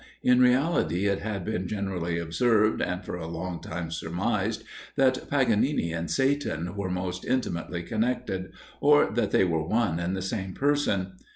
In reality, it had been generally observed, and for a long time surmised, that Paganini and Satan were most intimately connected, or that they were one and the same person.